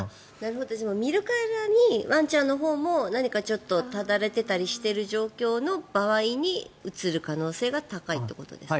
見るからにワンちゃんのほうも何かちょっとただれていたりしてる状況だとうつる可能性が高いってことですか？